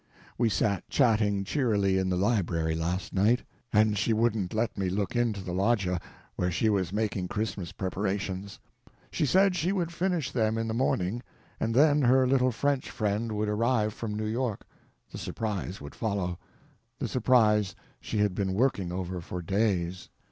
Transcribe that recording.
We sat chatting cheerily in the library last night, and she wouldn't let me look into the loggia, where she was making Christmas preparations. She said she would finish them in the morning, and then her little French friend would arrive from New York—the surprise would follow; the surprise she had been working over for days.